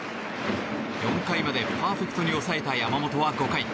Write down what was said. ４回までパーフェクトに抑えた山本は５回。